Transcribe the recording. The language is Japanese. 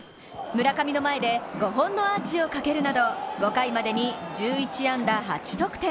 村上の前で５本のアーチをかけるなど５回までに１１安打８得点。